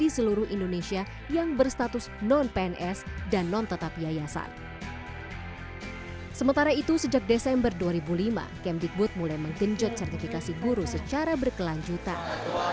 sementara itu sejak desember dua ribu lima kemdikbud mulai menggenjot sertifikasi guru secara berkelanjutan